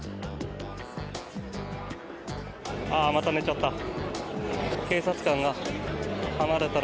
あ、また寝ちゃった。